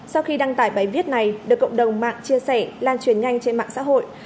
sau khi đăng tải bài viết này được cộng đồng mạng chia sẻ lan truyền nhanh trên mạng xã hội